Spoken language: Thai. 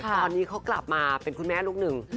ตอนนี้เขากลับมาเป็นคุณแม่ลูกหนึ่ง